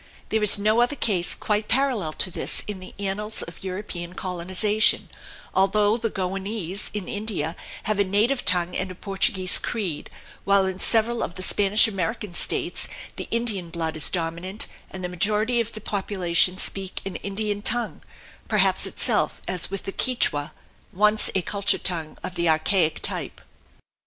There is no other case quite parallel to this in the annals of European colonization, although the Goanese in India have a native tongue and a Portuguese creed, while in several of the Spanish American states the Indian blood is dominant and the majority of the population speak an Indian tongue, perhaps itself, as with the Quichuas, once a culture tongue of the archaic type.